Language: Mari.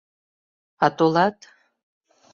— А толат?